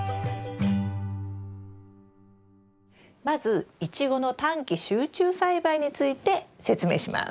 まずイチゴの短期集中栽培について説明します。